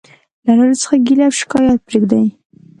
له نورو څخه ګيلي او او شکايت پريږدٸ.